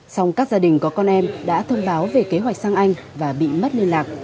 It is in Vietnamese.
song các gia đình có con em đã thông báo về kế hoạch sang anh và bị mất liên lạc